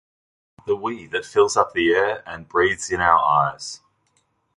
The "we" that fills up the air and breathes in our eyes.